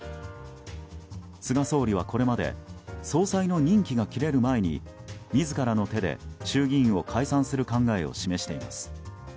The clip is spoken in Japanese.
菅総理はこれまで総裁の任期が切れる前に自らの手で衆議院を解散する考えを示しています。